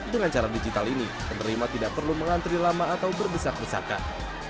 dengan cara digital ini penerima tidak perlu mengantri lama atau berdesak desakan